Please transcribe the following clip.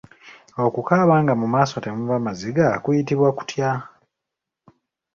Okukaaba nga mu maaso temuva maziga kuyitibwa kutya?